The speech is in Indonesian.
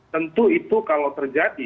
tentu itu kalau terjadi